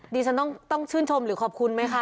ดิฉันต้องชื่นชมหรือขอบคุณไหมคะ